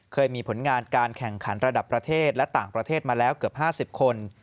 เคยมีผลงานการแข่งขันระดับประเทศและต่างประเทศมาแล้วเกือบ๕๐คน